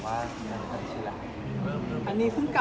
ก็เวลาก็ไม่การเรียกหัวพยายามกันนะคะ